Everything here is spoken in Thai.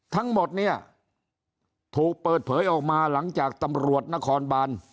ทั้งหมดเนี่ยถูกเปิดเผยออกมาหลังจากตำรวจนครบาน